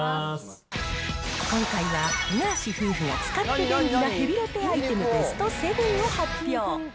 今回は、五十嵐夫婦が使って便利なヘビロテアイテム、ベスト７を発表。